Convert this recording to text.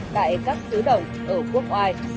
tại các xứ đồng ở quốc hoai